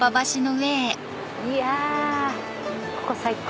いやぁここ最高。